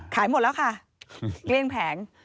ขายหมดแล้วค่ะเกรียงแผง